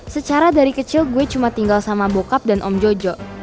secara dari kecil gue cuma tinggal sama bokap dan om jojo